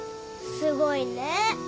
すごいね。